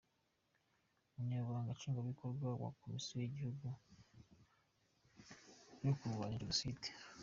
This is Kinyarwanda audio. Umunyamabanga Nshingwabikorwa wa Komisiyo y’Igihugu yo Kurwanya Jenoside